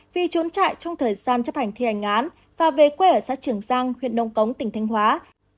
vì trốn trại trong thời gian chấp hành thi hành án và về quê ở xã trường giang huyện nông cống tỉnh thanh hóa